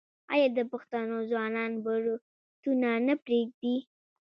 آیا د پښتنو ځوانان بروتونه نه پریږدي؟